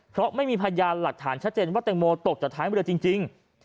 เพราะไม่มีพยานหลักฐานชัดเจนว่าแตงโมตกจากท้ายเรือจริง